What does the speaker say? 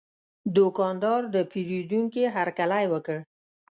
دوکاندار د پیرودونکي هرکلی وکړ.